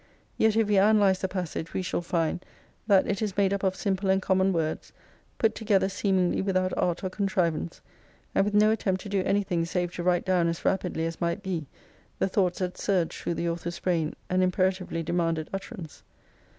Yet if we analyse the passage we shall find that it is made up of simple and common words, put together seemingly without art or contrivance, and with no attempt to do anything save to write down as rapidly as might be the thoughts that surged through the author's brain, and imperatively demanded utterance.